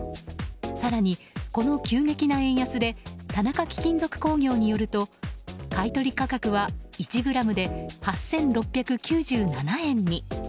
更に、この急激な円安で田中貴金属工業によると買い取り価格は１ｇで８６９７円に。